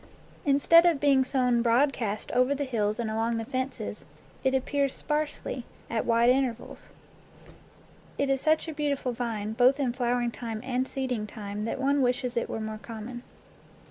Instead of being sown broadcast over the hills and along the fences, it appears sparsely, at wide intervals. It is such a beautiful vine both in flowering time and seeding time that one wishes it were more common.